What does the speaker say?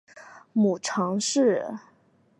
母常氏。